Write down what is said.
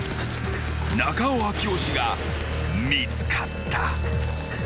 ［中尾明慶が見つかった］